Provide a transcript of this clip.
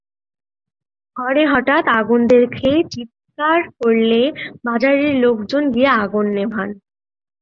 ঘরে হঠাৎ আগুন দেখে চিৎকার করলে বাজারের লোকজন গিয়ে আগুন নেভান।